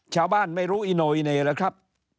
ชาวบ้านไม่รู้อิโนอิเน่แล้วครับ